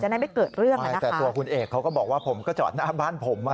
ได้ไม่เกิดเรื่องไงแต่ตัวคุณเอกเขาก็บอกว่าผมก็จอดหน้าบ้านผมอ่ะ